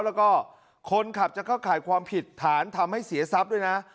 แล้วก็คนขับจะเข้าข่ายความผิดฐานทำให้เสียทรัพย์ด้วยนะ